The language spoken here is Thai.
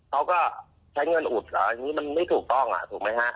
เขาก็ใช้เงินอุดเหรออันนี้มันไม่ถูกต้องอ่ะถูกไหมฮะ